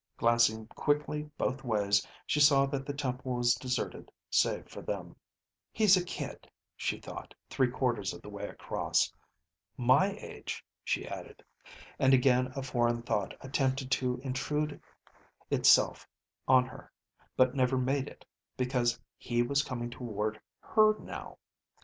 Glancing quickly both ways, she saw that the temple was deserted save for them. He's a kid, she thought, three quarters of the way across. My age, she added, and again a foreign thought attempted to intrude itself on her but never made it, because he was coming toward her now.